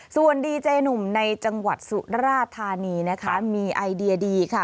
ส่วนดีเจหนุ่มในจังหวัดสุราธานีนะคะมีไอเดียดีค่ะ